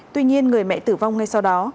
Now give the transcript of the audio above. tuy nhiên người mẹ tử vong ngay sau đó